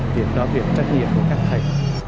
việc đó việc trách nhiệm của các thầy